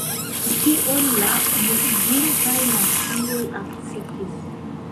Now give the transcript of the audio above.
Tion la Unuiĝintaj Nacioj akceptis.